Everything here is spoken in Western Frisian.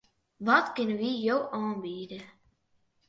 Wat kinne wy jo oanbiede?